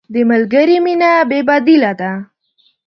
د ملګري مینه بې بدیله ده.